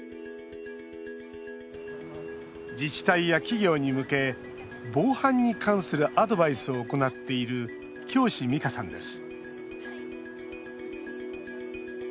自治体や企業に向け防犯に関するアドバイスを行っている京師美佳さんです